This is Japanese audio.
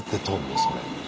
それ。